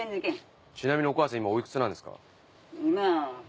ちなみにお母さん今お幾つなんですか？